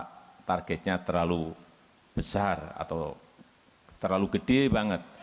karena targetnya terlalu besar atau terlalu gede banget